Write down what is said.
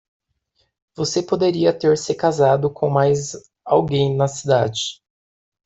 Você poderia ter se casado com mais alguém na cidade.